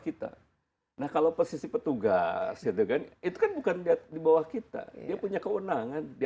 kita nah kalau posisi petugas dengan itu kan bukan lihat di bawah kita punya kewenangan di